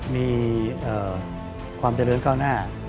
มีความเจริญก้าวหน้า